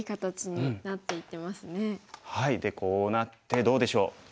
でこうなってどうでしょう？